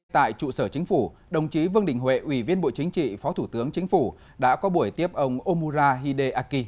tại trụ sở chính phủ đồng chí vương đình huệ ủy viên bộ chính trị phó thủ tướng chính phủ đã có buổi tiếp ông omura hideaki